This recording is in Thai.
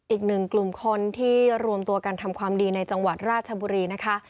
อีกหนึ่งกลุ่มคนที่รวมตัวกันทำความดีในจังหวัดราชบุรีนะคะ